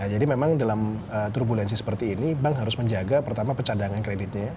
jadi memang dalam turbulensi seperti ini bank harus menjaga pertama pecadangan kreditnya